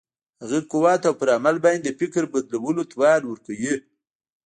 هغه قوت او پر عمل باندې د فکر بدلولو توان ورکوي.